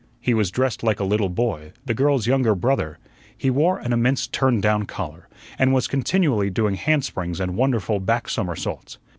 He was dressed like a little boy, the girl's younger brother. He wore an immense turned down collar, and was continually doing hand springs and wonderful back somersaults.